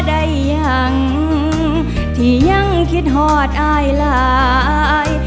ได้ยังที่ยังคิดหอดอายหลาย